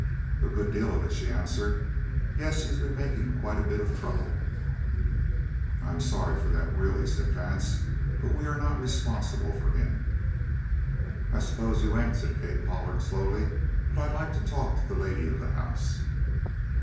"A good deal of it," she answered. "Yes, he's been making quite a bit of trouble." "I'm sorry for that, really," said Vance. "But we are not responsible for him." "I suppose you ain't," said Kate Pollard slowly. "But I'd like to talk to the lady of the house."